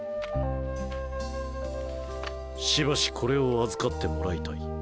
しばしこれを預かってもらいたい。